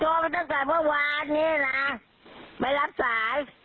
ตั้งแต่เมื่อวานนี้นะไม่รับสาย